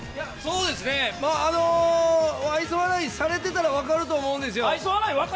まあ、愛想笑いされてたら分かると思うんですよ。